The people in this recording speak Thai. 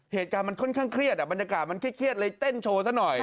เหตุการณ์มันค่อนข้างเครียดบรรยากาศมันเครียดเลยเต้นโชว์ซะหน่อย